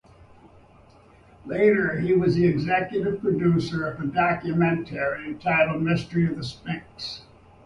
Later he was the executive producer of a documentary entitled "Mystery of the Sphynx".